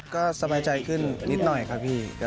ก็สบายใจขึ้นนิดหน่อยครับพี่